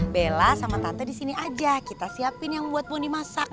bella sama tante di sini aja kita siapin yang buat mau dimasak